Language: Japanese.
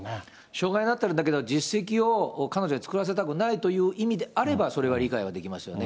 障害になってるんだけど、実績を彼女に作らせたくないという意味であれば、それは理解はできますよね。